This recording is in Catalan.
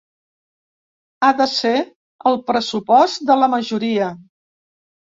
Ha de ser el pressupost de la majoria.